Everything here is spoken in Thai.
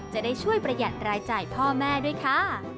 จะได้ช่วยประหยัดรายจ่ายพ่อแม่ด้วยค่ะ